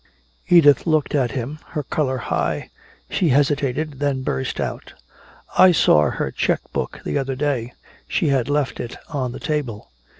Edith looked at him, her color high. She hesitated, then burst out: "I saw her check book the other day, she had left it on the table!